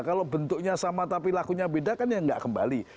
kalau bentuknya sama tapi lakunya beda kan ya nggak kembali